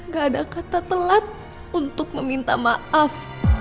gak ada kata telat untuk meminta maaf